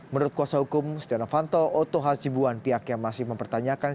menurut kuasa hukum setia novanto otoh haji buwan pihak yang masih mempertanyakan